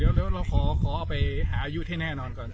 เร็วเราขอเอาไปหาอายุให้แน่นอนก่อน